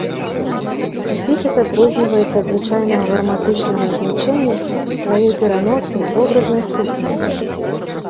Эпітэт адрозніваецца ад звычайнага граматычнага азначэння сваёй пераноснай, вобразнай сутнасцю.